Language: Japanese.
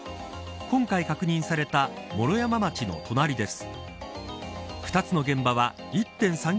今回確認された毛呂山町の隣です。